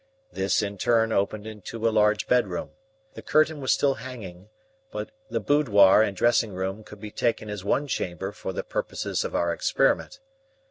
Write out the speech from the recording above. This in turn opened into a large bedroom. The curtain was still hanging, but the boudoir and dressing room could be taken as one chamber for the purposes of our experiment.